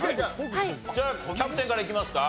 じゃあキャプテンからいきますか？